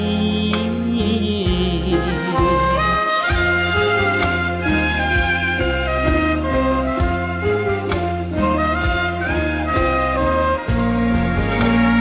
หลักธรรมช่วงความต้องรัก